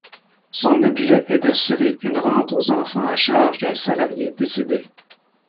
Son objet est d’assurer une rente aux enfants à charge d’un salarié décédé.